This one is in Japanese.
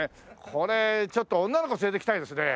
これちょっと女の子連れて来たいですね。